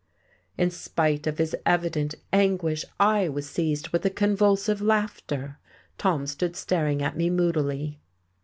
In spite of his evident anguish, I was seized with a convulsive laughter. Tom stood staring at me moodily.